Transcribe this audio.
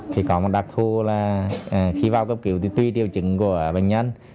thì có một đặc thù là khi vào cấp cứu thì tùy tiêu chứng của bệnh nhân